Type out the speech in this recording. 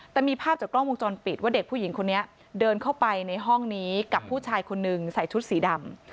แต่มีภาพจากกล้องวงจรปิดว่าเด็กผู้หญิงคนนี้เดินเข้าไปในห้องนี้กับผู้ชายคนนึงใส่ชุดสีดำ